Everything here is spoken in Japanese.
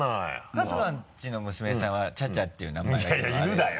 春日んちの娘さんはチャチャっていう名前だけどいや犬だよ。